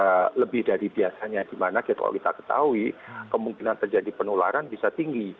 maka mereka akan bertugas dalam waktu yang cukup lebih dari biasanya dimana kita ketahui kemungkinan terjadi penularan bisa tinggi